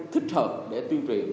thích hợp để tuyên truyền